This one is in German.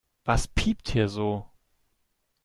Was piept hier so?